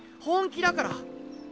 本気だから！